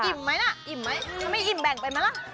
อิ่มมั้ยนะสมมี่อิ่มแบ่งไปไหมล่ะ